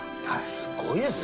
「すごいですね」